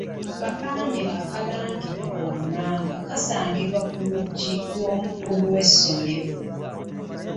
Akapande akalagibwa wammanga kaasangibwa ku luggi lw’omukulu w'essomero.